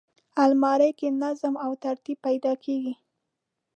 الماري کې نظم او ترتیب پیدا کېږي